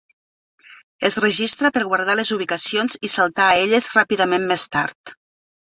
Es registra per guardar les ubicacions i saltar a elles ràpidament més tard.